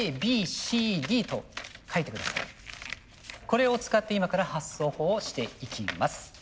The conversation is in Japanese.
これを使って今から発想法をしていきます。